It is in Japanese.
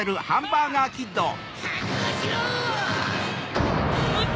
ハンバーガーキッド！